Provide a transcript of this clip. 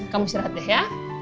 kamu istirahat deh ya